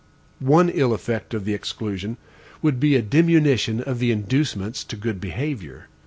One ill effect of the exclusion would be a diminution of the inducements to good behavior.